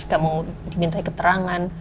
jika kamu diminta keterangan